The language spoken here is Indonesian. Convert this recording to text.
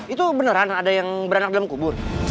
itu beneran ada yang berenek di dalam kubur